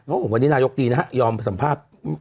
โอ้โหวันนี้นายกดีนะฮะยอมสัมภาษณ์